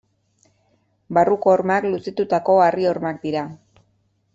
Barruko hormak luzitutako harri-hormak dira.